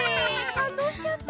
かんどうしちゃった。